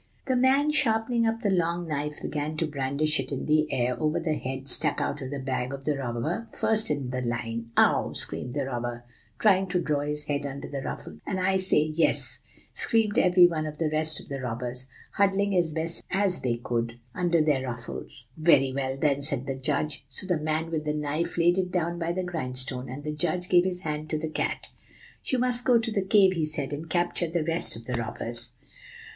"The man sharpening up the long knife began to brandish it in the air over the head stuck out of the bag of the robber first in the line. "'Ow!' screamed the robber, trying to draw his head under the ruffle. 'I say, "Yes."' "'And I say, "Yes,"' screamed every one of the rest of the robbers, huddling as best they could under their ruffles. "'Very well, then,' said the judge. So the man with the knife laid it down by the grindstone, and the judge gave his hand to the cat. 'You must go to the cave,' he said, 'and capture the rest of the robbers.